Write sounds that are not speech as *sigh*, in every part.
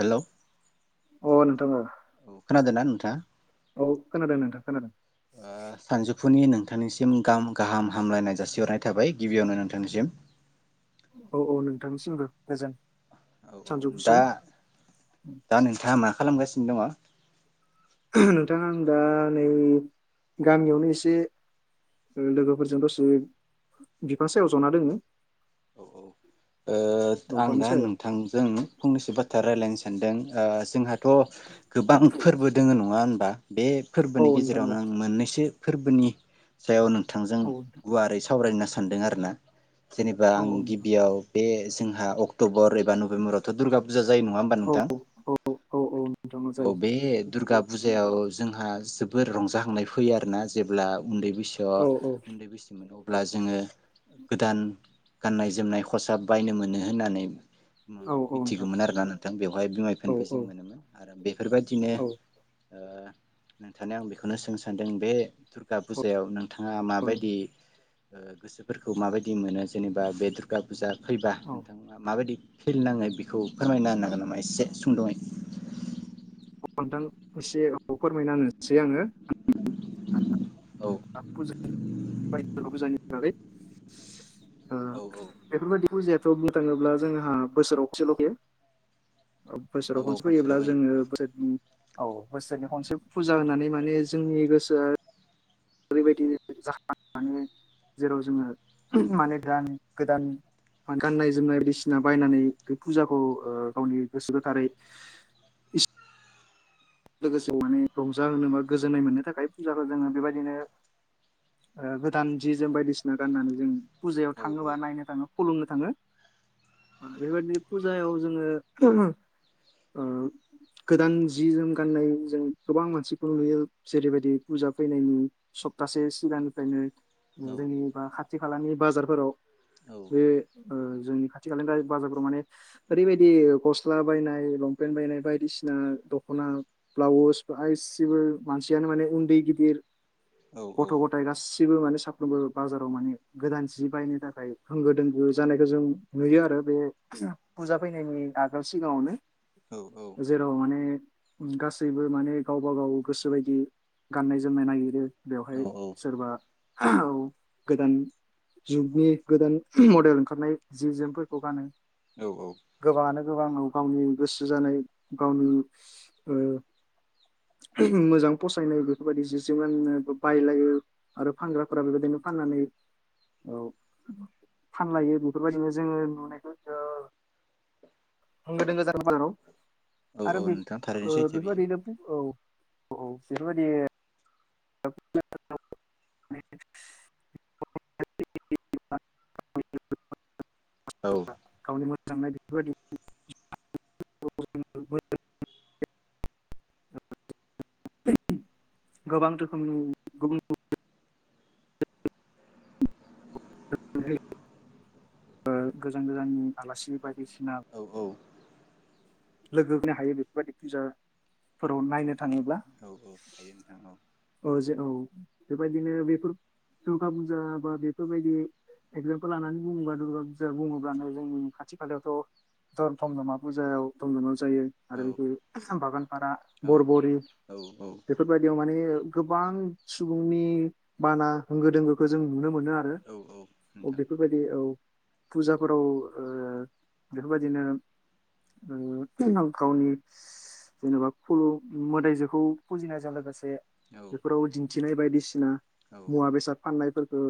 Hello अ नोंथां औ औ खोनादोंना नोंथाङा? औ खोनादों नोंथां खोनादों। फुनि नोंथांनिसिम गाहाम गाहाम हामलायनाय जासिहरनाय थाबाय गिबियावनो नोंथांनिसिम औ औ नोंथांनिसिमबो गोजोन औ औ सानजौफु सम दा दा नोंथाङा मा खालामगासिनो दङ? नोंथाङा आं दा नै गामियावनो एसे लोगोफोरजों दसे बिफां सायाव जना दोङो। औ ओ आं दंफांनि दा सायाव नोंथांजों फंनैसो बाथ्रा रायलायनो सानदों ओ जोंहाथ' गोबां फोरबो दोङो नङा होनबा बे औ फोरबोनि नोंथां औ गेजेरावनो आं मोननैसो फोरबोनि सायाव नों थांजों गुवारै सावरायनो सा सान्दों आरोना जेनेबा औ नोंथां औ आं औ नोंथां गिबियाव बे जोंहा अक्ट'बर एबा नभेम्बरावथ' दुर्गा फुजा जायो नङा होमबा औ नोंथां। औ औ नोंथां औ अ जायो बे दुर्गा फुजायाव जोंहा जोबोर रंजाहांनाय फैयो आरोना जेब्ला उन्दै बैसोआ औ उन्दै बैसोमोन औ अब्ला जोङो गोदान गाननाय जोमनाय। फसाब बायनो मोनो होननानै। औ औ नोंथां मिथिगौमोन आरोना नोंथां बेवहाय औ बिमायफबो जों मोनोमोन आरो बेफोरबायदिनो। औ नोंथांनो आं बेखौनो सोंनो सान्दों बे दुर्गा औ फुजायाव नों। बिथाङा माबायदि। औ गोसोफोरखौ माबायदि मोनो जेनेबा बेदर *inaudible* फैबा नोंथांमोना माबायदि। फिल नाङो बेखौ। फोरमायना होनो हागोन नामा एसे। सुंदयै। नोंथां एसे औ फोरमायना होनोसै आङो। *inaudible* *inaudible* *inaudible* बेफोर औ औ बायदि थ' बुंनो थाङोब्ला जोंहा बोसोराव खनसेल' जायो। औ बोसोराव औ खनसे फैयोब्ला खनसेल' फैयो जोङो बोसोर औ खनसे फुजा होनानै माने जोंनि गोसोआ ओरैबायदि जाखाङो जेराव जोङो माने गोदान गाननाय जोमनाय बायदिसिना बायनानै बे फुजाखौ गावनि गोसो गोथारै लोगोसे माने रंजा होनोनो बा गोजोननाय मोननो थाखाय फुजाखौ जोङो बेबायदिनो गोदान जि जोम बायदिसिना गाननानै जों फुजायाव औ थाङोबा नायनो थाङो खुलुमनो थाङो बेबायदिनो फुजायाव जोङो गोदान जि जोम गाननाय जों गोबां मानसिखौ नुयो जेरैबायदि फुजा फैनायनि सप्तासे सिगांनिफ्रायनो औ जेनबा खाथि खाथि खालानि बाजारफोराव औ बे। ओ जोंनि खाथि खालानि बाजारफोराव माने ओरै बायदि गस्ला बायनाय लंपेन्ट बायनाय बायदिसिना दख'ना ब्लाउस आइ सिबोल मानसियानो माने उन्दै गिदिर औ गथ' गथायाइ गासै बो माने साफ्रोमबो बाजाराव माने गोदान सि बायनो थाखाय होंगो दोंगो जानायखौ जों नुयो आरो बे फुजा फैनायनि आगोल सिगाङावनो। जेराव माने। गासैबो माने गावबा गाव गोसो बायदि गाननाय जोमनाय नागिरो। औ बेवहाय सोरबा। औ गोदान जुगनि गोदान मडेल ओंखारनाय जि जोमफोरखौ गानो। औ औ। गोबाङाव गावनि गोसो जानाय गावनि ओ मोजां फसायनाय बेफोर बायदि जि जोम गाननो बायलायो आरो फानग्राफोरा बेबायदिनो फाननानै ओ फानलायो बेफोरबायदिनो जोङो नुनायखौ होंगो दोंगो *unintelligible* जायो। औ आरो बे नोंथां थारैनो ओ सैथो बेयो बेबायदिनो औ। औ औ बेफोर बायदि। *unintelligible* औ। *unintelligible* *unintelligible* *unintelligible* गोजान गोजाननि आलासि बायदिसिना औ लोगो हो हायो बेफोरबायदि फिउसारफोराव नायनो थाङोब्ला औ औ हायो औ जे औ बेबायदिनो बेफोर दुर्गा फुजा बा बेफोरबायदि एक्जामपोल लानानै बुङोबा दुर्गा फुजा बुङोब्लानो जोंनि खाथि खालायावथ' धरधम मा फुजायाव *unintelligible* जायो आरो औ बेखौ थांफागोन बारा औ बर बरि औ बेफोरबायदियाव माने गोबां सुबुंनि बाना होंगो दोंगोखौ जों नुनो मोनो आरो औ बेफोरबायदि औ फुजाफोराव ओ बेफोरबायदिनो ओम गावनि जेनेबा खल' मोदाइजोखौ फुजिनायजों लोगोसे औ बेफोराव दिन थिनाय बायदिसिना औ मुवा बेसाद फाननायफोरखौ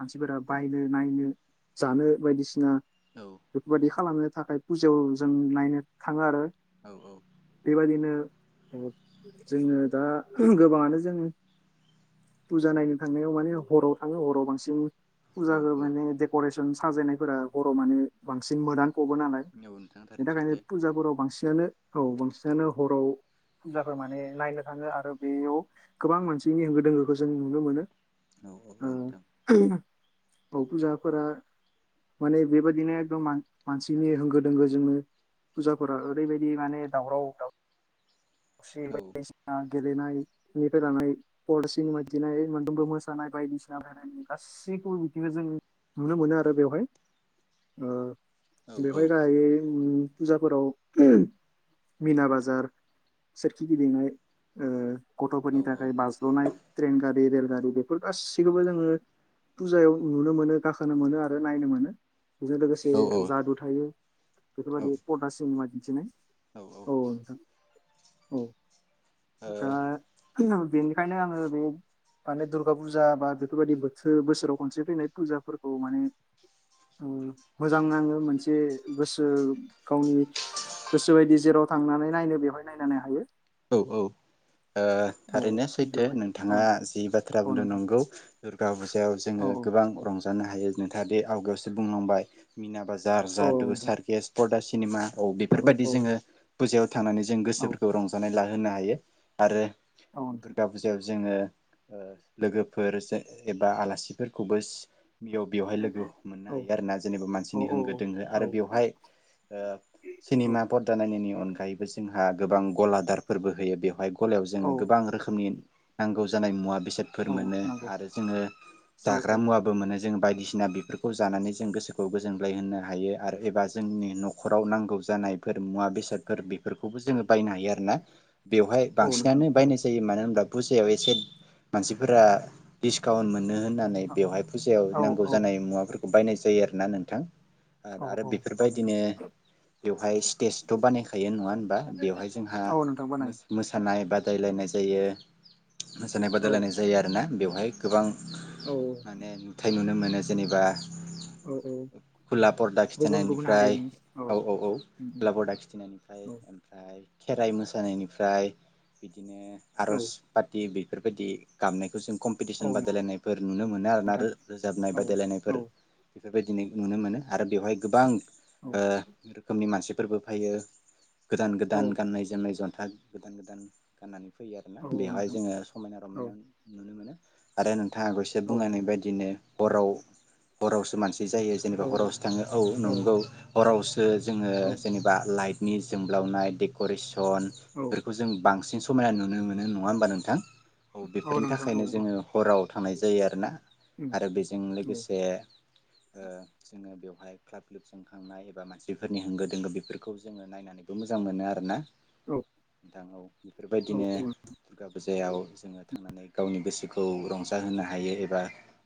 मानसिफोरा बायनो नायनो जानो बायदिसिना *unintelligible* खालामनो थाखाय फुजायाव जों नायनो थाङो आरो औ औ बेबायदिनो ओ जोङो दा गोबाङानो जों फुजा नायनो थांनायाव माने हराव थाङो हराव बांसिन औ फुजा औ माने देक'रेस जों साजायनायफोरा गरमानो बांसिन मोदान फबो नालाय नोंथां बेनि थारैनो थाखायनो सैथो फुजाफोराव बांसिनानो औ बांसिनानो हराव फुजाफोर माने नायनो थाङो आरो बेयाव गोबां मानसिनि होंगो दोंगोखौ जों नुनो मोनो औ औ औ ओ नोंथां औ फुजाफोरा माने बेबायदिनो एकदम मान-मानसिनि होंगो दोंगोजोंनो फुजाफोरा ओरैबायदि माने दावराव दाव औ *unintelligible* गेलेनायनिफ्राय लानाय पल सिनेमा दिनाय मोनदोमबो मोसानाय बायदिसिना फनाय गासैखौबो बिदिनो जों नुनो मोनो आरो बेवहाय ओ औ बेखौ गाहायै फुजाफोराव मिना बाजार सोरखि गिदिनाय ओ औ गथ'फोरनि थाखाय बाज्ल'नाय ट्रेन गारि रेल गारि बेफोर गासैखौबो जोङो फुजायाव नुनो मोनो गाखोनो मोनो आरो नायनो मोनो। बेजों लोगोसे औ जादु थायो बेफोरबायदि मुआ दिन्थिनाय औ औ। औ। दा बेनिखायनो आङो बे माने दुर्गा फुजा बा बेफोरबायदि बोथोर बोसोराव खनसे फैनाय फुजाफोरखौ माने मोजां ओम नाङो मोनसे गोसो गावनि गोसो बायदि जेराव थांनानै नायनो बेवहाय नायनानै हायो औ औ ओ औ थारैनो सैथो बेवहाय औ नोंथाङा जि बाथ्रा औ बुंनो नोंथां नंगौ। दुर्गा फुजायाव औ जोङो औ गोबां रंजा हायोथा आवगायावसो बुंलांबाय मिना बाजार दा औ जादु नोंथां सारखेस फरदा सिनेमा औ बेफोरबायदि जोङो फुजायाव थांनानै जों औ गोसोफोरखौ रंजा ज होनोनो हायो। आरो औ नोंथां दुर्गा फुजायावायाव जोङो ओ लोगोफोर जे एबा आलासिफोरखौबो सि बेयाव बेवहाय लोगो मोननो औ हायो आरोना जेनेबा औ मानसिनि होंगो दोंहो औ आरो बेवहाय ओ औ सिनेमा परदा नायनायनि अनगायैबो जोंहा गोबां गलाद दार फोरबो होयो बेवहाय गलायाव औ जोङो गोबां रोखोमनि नांगौ जानाय मुवा बेसादफोर औ मोनो नंगौ आरो जोङो औ औ जाग्रा मुवो मोनो जों बायदिसिन बेफोरखौ जानानै जों गोसोखौ गोजोनग्लाय होनो हायो आरो एबा जोंनि न'खराव नांगौ जानायफोर मुवा बेसादफोर बेफोरखौ खौबो जोङो बायनो हायो आरो ना बेवहाय औ नोंथां बांसिनानो औ बायनाय जायो मानोना दा फुजायाव एसे मानसिफोरा डिसकाउन्ट मोनो होननानै बेवहाय फुजायाव औ नांगौ औ जानाय मुवाफोरखौ बायनाय जायो आरोना नोंथां आरो आरो औ औ नोंथां बेफोरबायदिनो बेवहाय स्टेजथ' बानायखायो नङा होनबा बेवहाय जोंहा औ नोंथां बानायो मोस मोसानाय बा बादायलायनाय जायो मोसानाय औ बादायलायनाय जायो आरोना बेव हाय गोबां औ माने नुथाय नुनो मोनो जेनेबा औ औ खुला परदा गुबुन गुबुन खिथिनायनिफ्राय हारिनि औ औ औ उम उम खुला परदा खिथिनायनिफ्राय औ ओमफ्राय खेराइ मो सानायनि निफ्राय बिदिनो औ आर'ज पाथि बि बेफोरबायदि गामनायखौ जों औ कम्पिटिसन बादायलायनायफोर नुनो मोनो आरोना आरो रोजाबनाय नोंथां औ औ बादायलायनायफोर बेफोरबायदिनो नुनो मोनो आरो बेवहाय गोबां औ रोखनि मानसि फोरबो फैयो गोदान औ गोदान गाननाय जोमनाय जन्था गोदान गोदान गाननानै फैयो आरोना औ बेवहाय नोंथां जोङो समायना औ रमायना नुनो मोनो आरो नों थाङाखौसो औ बुंलांनाय बायदिनो हराव हरावसो मानसि बिदि जायो जेनेबा औ हरावसो थाङो औ नंगौ हराव जोङो जेनेबा लाइट नि जोमब्लावनाय डेक'रेसन औ बेफोरखौ जों बांसिन समायना नुनो मोनो नङा होमबा नोंथां औ बेफोरनि नोंथां औ थाखायनो जोङो हराव थांनाय जायो आरोना उम आरो बेजों औ लोगोसे जोङो बेवहाय ख्लाब ख्लिब जोंनाय एबा मानसिफोरनि होंगो दोंगो बेफोरखौ जोङो नायनानैबो मोजां मोनो आरोना औ औ औ औ औ बेफोरबायदिनो दुर्गा बै फुजायाव जोङो थांनानै गावनि गोसोखौ रंजाहोनो हायो एबा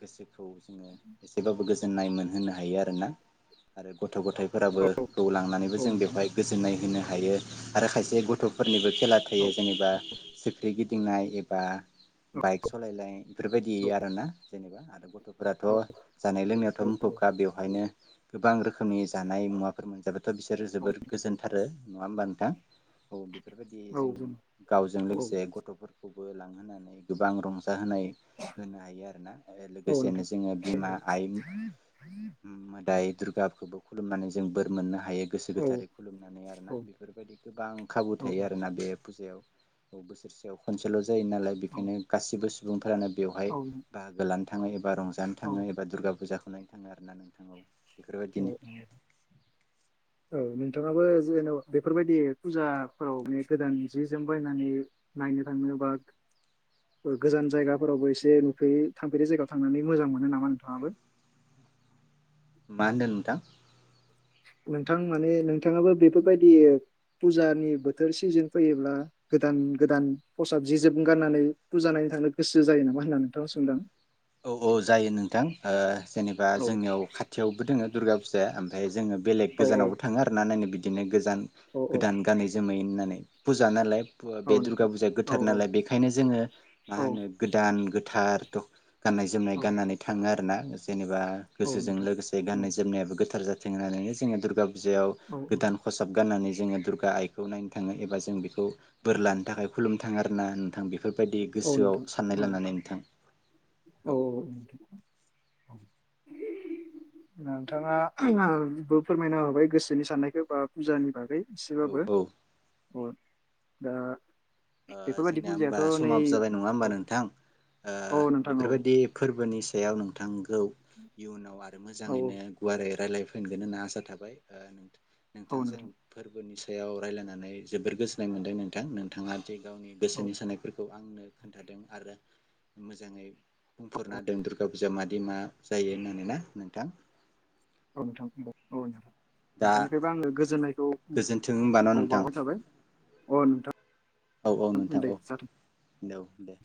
गोसोखौ जोङो एसेबाबो गोजोननाय मोनहोनो हायो आरोना आरो गथ' गथायाइफोराबो खौ लांनानैबो जों बेवहाय गोजोननाय होनो हायो आरो खायसे गथ' फोरनिबो खेला थायो जेनेबा सिख्रि गि दिंनाय एबा बाइक सलायनाय बेफोरबायदि आरोना जेनेबा आरो आरो गथ'फोराथ' जानाय लोंनायावथ' मुखुबखा बेवहायनो गोबां रोखोमनि जानाय मुवाफोर मोनजागोन थ' बिसोरो जोबोर गोजोनथारो। नंङा होमबा नोंथां औ बि फोरबायदि जों गावजों औ लोगोसे गथ'फोर खौबो लांहोनानै गोबां रंजा जा होनाय होनो हायो आरोना औ लोगोसेनो नोंथां जोङो बिमा आइ उम मोदाय दुर्गाफोरखौबो खुलुमनानै जों बोर मोननो हायो गोसो औ गोथारै खुलुमनानै आरोना औ बेफोरबायदि गोबां खाबु था औ थायो आरोना बे फुजायाव बोसोरसेयाव खनसेल' जायो नालाय बेखायनो गासिबो सु सुबुंफोरानो बेवहाय बाहागोलानो थांनाय एब बा रंजानो औ थाङो दुर्गा फुजा नायनो थाङो आरो ना नोंथां औ। औ बेफोरबायदिनो औ औ मि नोंथाङाबो जेन'बा बेफोरबायदि फुजाफोराव बे गोदान जि जोम बायनानै नायनो थांनो बा गोजान जायगाफोरावबो एसे नुफेरै थांफेरै जायगायाव थांनानै मोजां मोनो नामा नोंथाङाबो? मा होन्दों नोंथां? नोंथां माने नोंथाङाबो बेफोरबायदि फुजानि बोथोर सिजोन फैयोब्ला गोदान गोदान खसाब जि जोम गारनानै फुजा नायनानै थांनो गोसो जायो नामा होनना नोंथांनाव सोंदां। औ औ जायो नोंथां ओ जेनेबा औ जोंनियाव खाथियावबो दोङो दुर्गा फुजाया ओमफ्राय जोङो बेलेग औ औ गोजानावबो थाङो आरोना नायनो बि दिनो गोजान औ गोदान औ गानै जोमै होननानै फुजा नालाय फुवा बे औ दुर्गा नोंथां फुजाया औ गोथार नालाय औ बेखायनो जोङो मा होनो औ गोदान गोथार थ' गाननाय जोमनाय औ गाननानै थाङो आरो ना जेने बा औ गोसोजों नोंथां लोगोसे औ गाननाय जोमनायाबो गोथार जा जों आरो जोंगा दुर्गाव बिजायाव औ गोदान खसाब गाननानै जोङो दुर्गा आइखौ नायनो थाङो एबा जों बेखौ बोर लानो थाखाय खुलुमनो थाङो आरोना नोंथां बेफोरबायदि औ गोसोआव नोंथां साननाय औ लानानै नोंथां। औ औ। नोंथाङा बो फोरमायना होबाय गोसोनि साननायखौ बा फुजानि बागै। औ एसेबाबो। औ अ दा ओ बेफोरबायदि जोंनिया होमबा फुजायाथ' नै समाबो जाबाय नङा होमबा औ नोंथां औ ओ नोंथां औ बेफोरबायदि फोरबोनि सायाव औ नोंथां। औ आरो औ मोजैनो गुवारै राय फिगोन होनना आसा थाबाय। औ नोंथांजों नोंथां फोरबोनि सा याव रायज्लायनानै जोबोद गोजोननाय मोनदों नोंथां नोंथाङा दि गावनि औ गोसोनि सानाय खौ आंनो खोन्थादों आरो मोजाङै बुंफोरना दं दुर्गा फुजा मादि मा जायो होननांगो ना नोंथां। औ नोंथां औ। दा बेनिफ्रायबो आङो गोजोननायखौ गोजोन्थों होमबा न' नोंथां बावहरथाबाय। अ औ औ नोंथां। नोंथां औ दे जागोन औ दे।